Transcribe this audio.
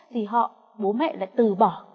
thì họ bố mẹ lại từ bỏ